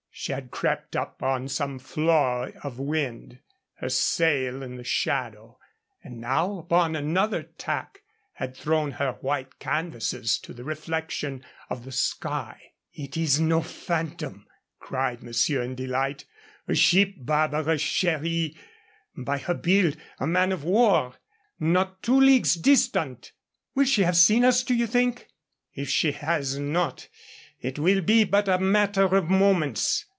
She had crept up on some flaw of wind, her sail in the shadow, and now upon another tack had thrown her white canvases to the reflection of the sky. "It is no phantom," cried monsieur, in delight. "A ship, Barbara, chérie! By her build a man of war, not two leagues distant." "Will she have seen us, do you think?" "If she has not, it will be but a matter of moments."